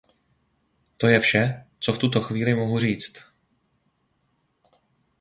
To je vše, co v tuto chvíli mohu říci.